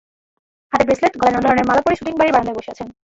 হাতে ব্রেসলেট, গলায় নানা ধরনের মালা পরে শুটিং বাড়ির বারান্দায় বসে আছেন।